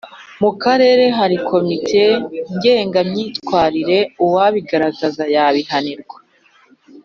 Mu Karere hari komite ngengamyitwarire uwabigaragaza yabihanirwa